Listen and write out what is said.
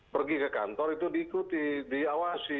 pergi ke kantor itu diikuti diawasi